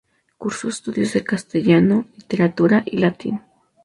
Cursó estudios de Castellano, Literatura y Latín.